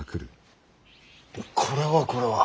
これはこれは。